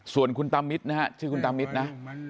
ส่วนคุณตามิดนะฮะชื่อคุณตามิดนะ